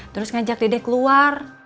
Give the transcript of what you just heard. terus ngajak dede keluar